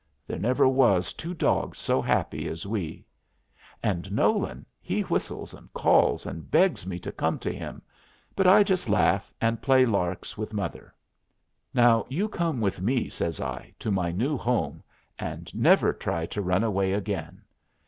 There never was two dogs so happy as we. And Nolan he whistles and calls and begs me to come to him; but I just laugh and play larks with mother. "Now, you come with me," says I, "to my new home, and never try to run away again."